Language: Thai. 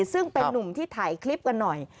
ซึ่งเป็นนุ่มที่ถ่ายคลิปกันหน่อย